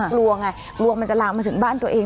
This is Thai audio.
กลัวไงกลัวมันจะลามมาถึงบ้านตัวเอง